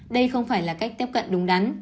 đây không phải là cách tiếp cận đúng đắn